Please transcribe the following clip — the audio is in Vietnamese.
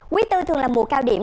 quý tư thường là mùa cao điểm